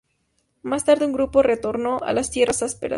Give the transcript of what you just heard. Más tarde un grupo retornó a las Tierras Ásperas.